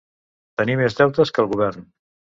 Tenir més deutes que el govern.